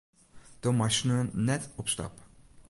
Do meist sneon net op stap.